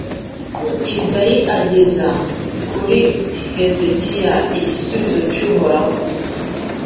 Izayi ageza kuri Hezekiya igisubizo cy’Uhoraho